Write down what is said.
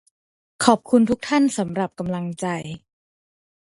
ขอบคุณทุกท่านสำหรับกำลังใจ